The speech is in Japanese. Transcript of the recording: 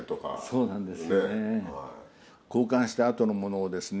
そうなんです。